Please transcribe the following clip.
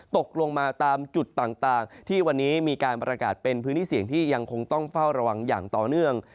ตกลงมาตามจุดต่างที่วันนี้มีการประกาศเป็นพื้นที่เสี่ยงที่ยังคงต้องเฝ้าระวังอย่างต่อเนื่อง